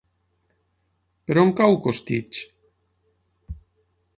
Per on cau Costitx?